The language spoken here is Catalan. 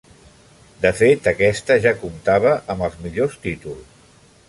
De fet, aquesta ja comptava amb els millors títols.